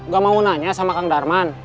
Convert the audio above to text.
gak mau nanya sama kang darman